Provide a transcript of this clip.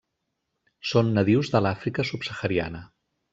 Són nadius de l'Àfrica subsahariana.